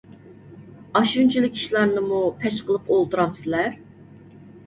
ئاشۇنچىلىك ئىشلارنىمۇ پەش قىلىپ ئولتۇرامسىلەر؟